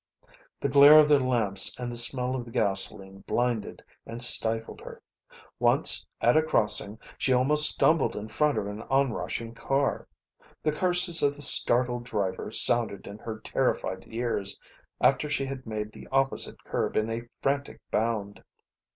The glare of their lamps and the smell of the gasoline blinded and stifled her. Once, at a crossing, she almost stumbled in front of an on rushing car. The curses of the startled driver sounded in her terrified ears after she had made the opposite curb in a frantic bound.